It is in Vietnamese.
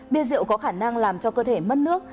bia rượu có khả năng làm cho cơ thể mất nước